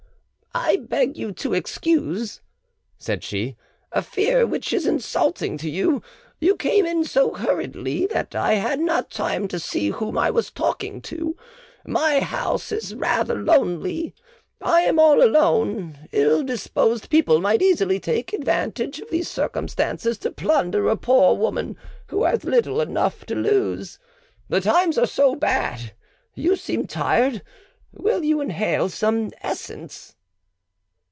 "I beg you to excuse," said she, "a fear which is insulting to you. You came in so hurriedly that I had not time to see whom I was talking to. My house is rather lonely; I am alone; ill disposed people might easily take advantage of these circumstances to plunder a poor woman who has little enough to lose. The times are so bad! You seem tired. Will you inhale some essence?"